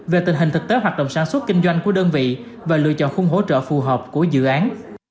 về tình hình thực tế hoạt động sản xuất kinh doanh của đơn vị và lựa chọn khung hỗ trợ phù hợp của dự án